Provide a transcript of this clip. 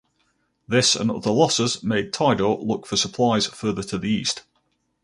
This and other losses made Tidore look for supplies further to the east.